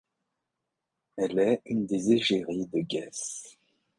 Elle est une des égéries de Guess.